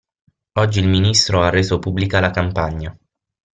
Oggi il Ministro ha reso pubblica la campagna.